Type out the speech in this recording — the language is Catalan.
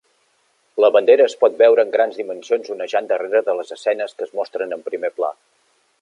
La bandera es pot veure en grans dimensions onejant darrere de les escenes que es mostren en primer pla.